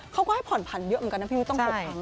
เขาก็ให้ผ่อนผันเยอะเหมือนกันนะพี่มิวต้อง๖ครั้ง